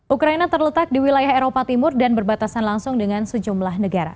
ukraina terletak di wilayah eropa timur dan berbatasan langsung dengan sejumlah negara